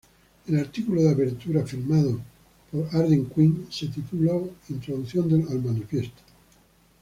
El artículo de apertura, firmado por Arden Quin, se tituló “Introducción al manifiesto.